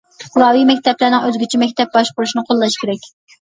پۇقراۋى مەكتەپلەرنىڭ ئۆزگىچە مەكتەپ باشقۇرۇشىنى قوللاش كېرەك.